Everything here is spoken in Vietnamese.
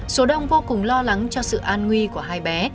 số đông vô cùng lo lắng cho sự an nguy của hai bé